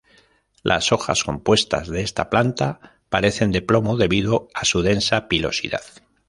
Las hojas compuestas de esta planta parecen de plomo debido a su densa pilosidad.